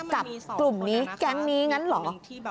กับกลุ่มนี้แก๊งนี้งั้นเหรอ